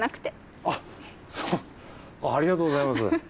あっそうありがとうございます。